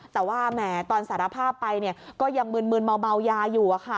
แต่ว่าแหมตอนสารภาพไปก็ยังมืนเมายาอยู่